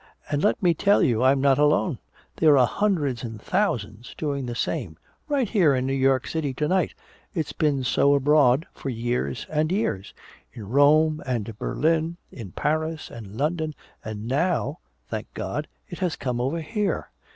And let me tell you I'm not alone! There are hundreds and thousands doing the same right here in New York City to night! It's been so abroad for years and years in Rome and Berlin, in Paris and London and now, thank God, it has come over here!